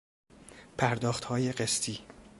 پرداختهای قسطی